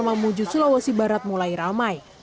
mamuju sulawesi barat mulai ramai